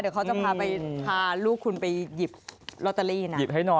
เดี๋ยวพี่ให้